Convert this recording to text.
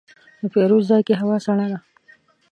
د پیرود ځای کې هوا سړه ده.